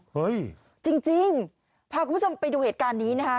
เฮ้ยจริงพาคุณผู้ชมไปดูเหตุการณ์นี้นะคะ